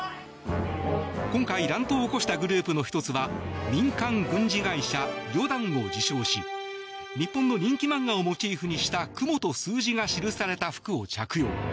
今回乱闘を起こしたグループの１つは民間軍事会社リョダンを自称し日本の人気漫画をモチーフにしたクモと数字が記された服を着用。